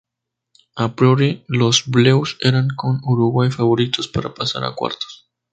A priori, los "bleus" eran, con Uruguay, favoritos para pasar a cuartos.